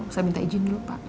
saya minta izin dulu pak